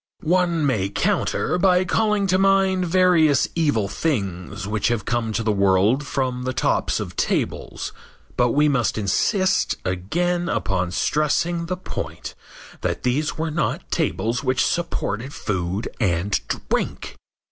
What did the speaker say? One may counter by calling to mind various evil things which have come to the world from the tops of tables, but we must insist again upon stressing the point that these were not tables which supported food and drink.